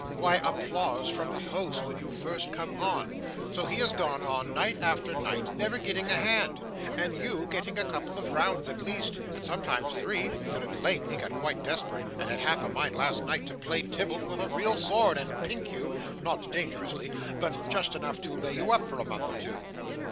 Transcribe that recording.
Why, applause from the house when you first come on. So he has gone on night after night, never getting a hand, and you getting a couple of rounds at least, and sometimes three, till at length he got quite desperate, and had half a mind last night to play Tybalt with a real sword, and pink you not dangerously, but just enough to lay you up for a month or two.